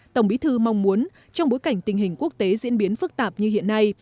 tổng bí thư mong muốn trong bối cảnh tình hình quốc tế diễn biến phức tạp như hiện nay